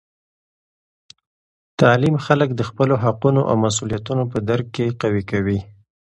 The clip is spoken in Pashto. تعلیم خلک د خپلو حقونو او مسؤلیتونو په درک کې قوي کوي.